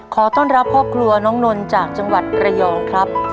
ขอต้อนรับครอบครัวน้องนนจากจังหวัดระยองครับ